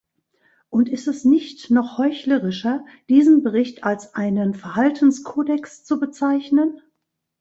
Und ist es nicht noch heuchlerischer, diesen Bericht als einen Verhaltenskodex zu bezeichnen.